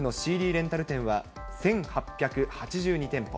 レンタル店は１８８２店舗。